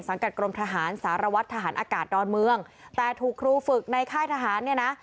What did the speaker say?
กรมทหารสารวัตรทหารอากาศดอนเมืองแต่ถูกครูฝึกในค่ายทหารเนี่ยนะ